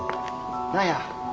何や？